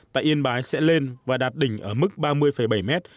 tại yên bái sẽ lên và đạt đỉnh ở mức ba mươi bảy mét